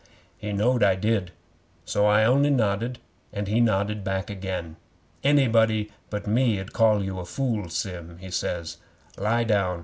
'He knowed I did, so I only nodded, and he nodded back again. '"Anybody but me 'ud call you a fool, Sim," he says. "Lie down.